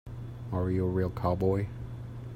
Are you a real cowboy?